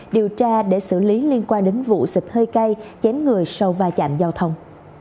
điều tra để xử lý liên quan đến vụ xịt hơi cay chém người sau va chạm giao thông